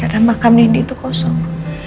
karena makam ndik itu kosong